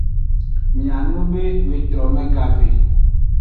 Mianube wetrome gave.